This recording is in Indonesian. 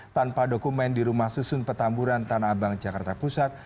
tanpa dokumen di rumah susun petamburan tanah abang jakarta pusat